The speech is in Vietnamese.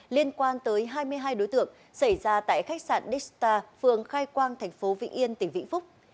liên quan tới hai mươi hai đối tượng xảy ra tại khách sạn dichta phường khai quang tp vĩnh yên tỉnh vĩnh phúc